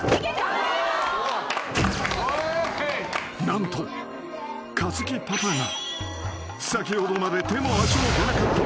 ［何とかずきパパが先ほどまで手も足も出なかった］